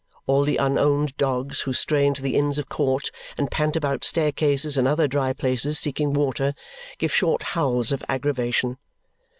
All the unowned dogs who stray into the Inns of Court and pant about staircases and other dry places seeking water give short howls of aggravation.